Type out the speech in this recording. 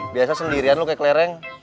biasa sendirian lu kayak kelereng